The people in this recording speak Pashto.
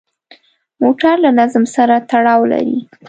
موټر له نظم سره تړاو لري.